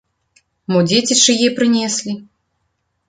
Мо дзеці чые прынеслі.